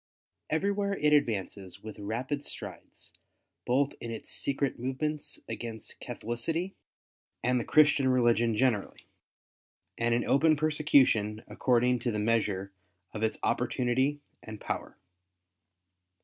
Every where it advances with rapid strides both in its secret movements against Catholicity and the Christian religion generally^ and in open persecution according to the measure of its opportunity and power.